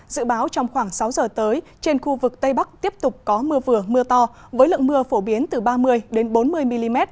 dự báo trong khoảng sáu giờ tới trên khu vực tây bắc tiếp tục có mưa vừa mưa to với lượng mưa phổ biến từ ba mươi bốn mươi mm